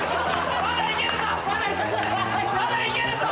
まだいけるぞ！